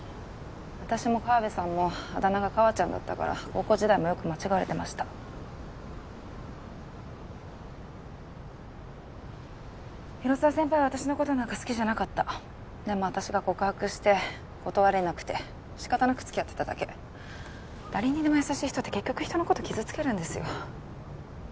私もカワベさんもあだ名がカワちゃんだったから高校時代もよく間違われてました広沢先輩は私のことなんか好きじゃなかったでも私が告白して断れなくて仕方なく付き合ってただけ誰にでも優しい人って結局人のこと傷つけるんですよ